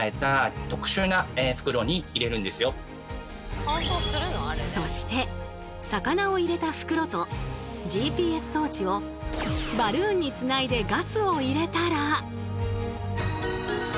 まずはそして魚を入れた袋とＧＰＳ装置をバルーンにつないでガスを入れたら。